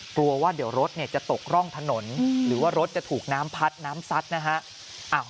กลัวว่าเดี๋ยวรถจะตกร่องถนนหรือว่ารถจะถูกน้ำพัดน้ำซัดนะฮะ